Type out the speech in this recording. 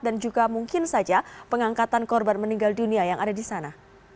dan juga mungkin saja pengangkatan korban meninggal dunia yang ada di sana